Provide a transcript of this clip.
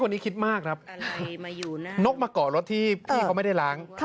นกมาเกาะรถที่พี่เขาไม่ได้ล้าง